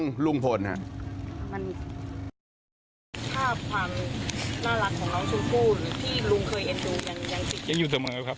ก็ตอบได้คำเดียวนะครับ